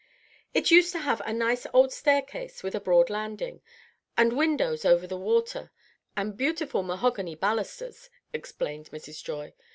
"It used to have a nice old staircase with a broad landing, and windows over the water, and beautiful mahogany balusters," explained Mrs. Joy.